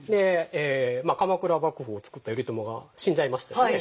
まあ鎌倉幕府を作った頼朝が死んじゃいましたよね。